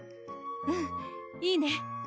うんいいね